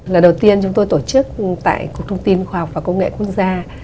lần đầu tiên chúng tôi tổ chức tại cục thông tin khoa học và công nghệ quốc gia